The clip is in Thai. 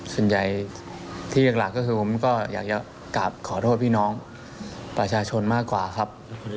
ส่วนใหญ่ที่หลักก็คือผมก็อยากจะกลับขอโทษพี่น้องประชาชนมากกว่าครับ